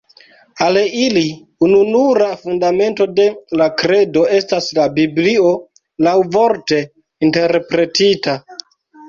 Al ili ununura fundamento de la kredo estas la Biblio laŭvorte interpretita.